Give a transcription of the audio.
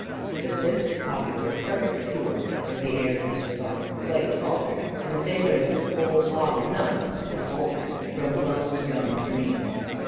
The since popular Perfect Cure is the air of this song, slightly altered, in the same way that the Whole Hog or none is altered from Love's young Dream.